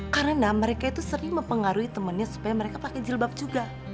karena mereka itu sering mempengaruhi temennya supaya mereka pake jilbab juga